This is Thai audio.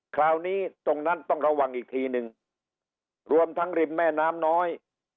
คราวนี้ตรงนั้นต้องระวังอีกทีนึงรวมทั้งริมแม่น้ำน้อย